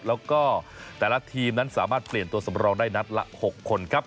แล้วก็แต่ละทีมนั้นสามารถเปลี่ยนตัวสำรองได้นัดละ๖คนครับ